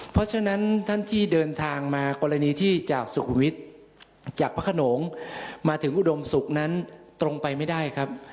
เพราะฉะนั้นท่านที่เดินทางมากรณีที่จากสุขุมวิทย์จากพระขนงมาถึงอุดมศุกร์นั้นตรงไปไม่ได้ครับ